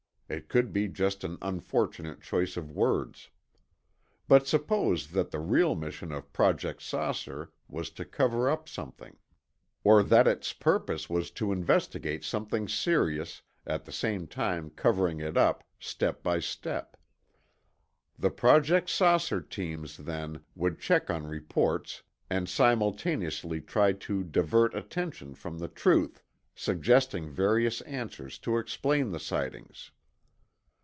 It could be just an unfortunate choice of words. But suppose that the real mission of Project "Saucer" was to cover up something. Or that its purpose was to investigate something serious, at the same time covering it up, step by step. The Project "Saucer" teams, then, would check on reports and simultaneously try to divert attention from the truth, suggesting various answers to explain the sightings.